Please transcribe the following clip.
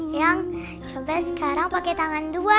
yang coba sekarang pakai tangan dua